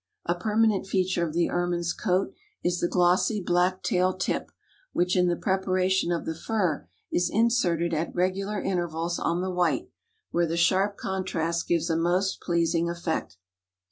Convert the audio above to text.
A permanent feature of the Ermine's coat is the glossy black tail tip, which in the preparation of the fur is inserted at regular intervals on the white, where the sharp contrast gives a most pleasing effect.